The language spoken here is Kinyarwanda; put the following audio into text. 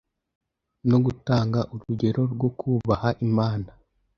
no gutanga urugero rwo kubaha Imana,